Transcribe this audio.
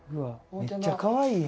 めっちゃかわいい！いいね。